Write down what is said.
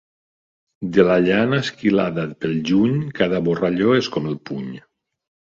De la llana esquilada pel juny, cada borralló és com el puny.